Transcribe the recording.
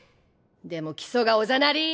でも基礎がおざなり！